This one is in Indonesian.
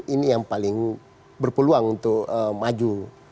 ini yang paling berpeluang untuk maju